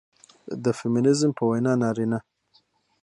د فيمينزم په وينا نارينه